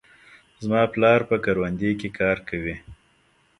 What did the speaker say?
زما پلار په کروندې کې کار کوي.